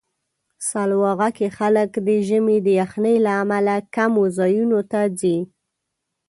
سلواغه کې خلک د ژمي د یخنۍ له امله کمو ځایونو ته ځي.